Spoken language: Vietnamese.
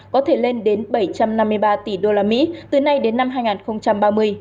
có thể lên đến bảy trăm năm mươi ba tỷ usd từ nay đến năm hai nghìn ba mươi